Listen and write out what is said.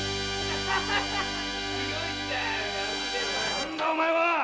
何だお前はっ